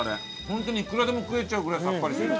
本当にいくらでも食えちゃうぐらいさっぱりしてる。